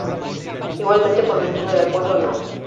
Igualmente por virtud del Acuerdo No.